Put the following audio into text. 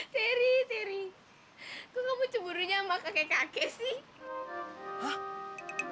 teri teri kok kamu cemburu sama kakek kakek sih